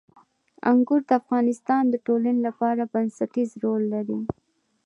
انګور د افغانستان د ټولنې لپاره بنسټيز رول لري.